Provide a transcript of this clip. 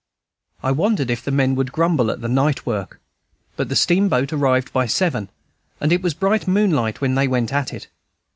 I wondered if the men would grumble at the night work; but the steamboat arrived by seven, and it was bright moonlight when they went at it.